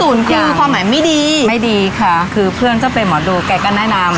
คือความหมายไม่ดีไม่ดีค่ะคือเพื่อนก็เป็นหมอดูแกก็แนะนำ